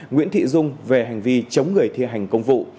nguyễn thị dung về hành vi chống người thi hành công vụ